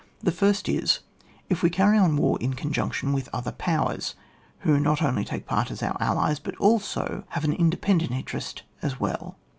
The flrst is, if we carry on war in conjunction with other powers, who not only take part as our allies, but also have an independent interest as well.